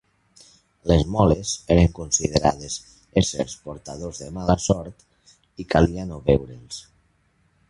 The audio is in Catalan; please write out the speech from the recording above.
Les Moles eren considerades éssers portadors de mala sort i calia no veure'ls.